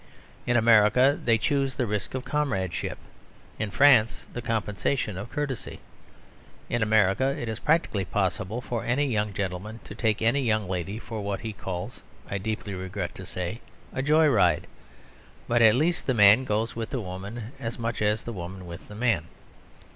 In America they choose the risk of comradeship; in France the compensation of courtesy. In America it is practically possible for any young gentleman to take any young lady for what he calls (I deeply regret to say) a joy ride; but at least the man goes with the woman as much as the woman with the man.